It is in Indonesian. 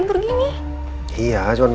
aku ng generators